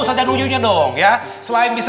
ustadz januyunya dong ya selain bisa